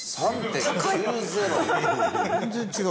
全然違う。